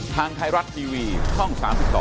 ทางไทยรัฐทีวีช่อง๓๒